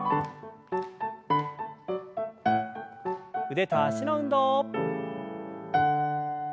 腕と脚の運動。